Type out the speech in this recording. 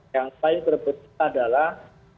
yang paling terbesar adalah